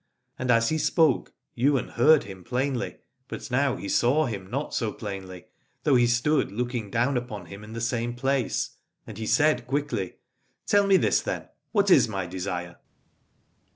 And as he spoke Ywain heard him plainly, but now he saw him not so plainly, though he stood looking down upon him in the same place: and he said quickly: Tell me this, then : what is my desire